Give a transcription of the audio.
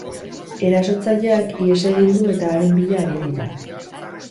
Erasotzaileak ihes egin du eta haren bila ari dira.